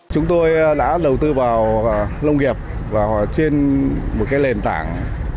chúng tôi đã đầu tư vào lông nghiệp và trên một cái lền tảng